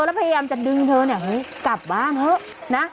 แล้วพยายามจะดึงเธอเนี่ยเฮ้ยกลับบ้านเถอะนะ